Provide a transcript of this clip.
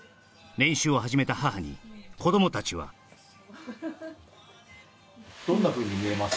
練習を始めた母に子ども達はどんなふうに見えます？